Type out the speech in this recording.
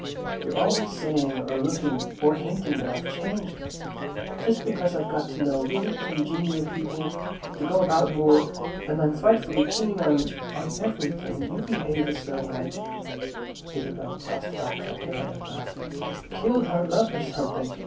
You're always saying or looking or hinting that I've changed. Just because I've got to know really congenial people, and go about more, and am frightfully keen on—on everything, you behave as though I'd—" Isabel tossed back her hair and laughed—"killed our love or something.